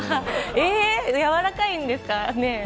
えー、やわらかいんですかね